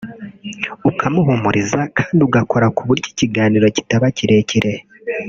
ukamuhumuriza kandi ugakora ku buryo ikiganiro kitaba kirekire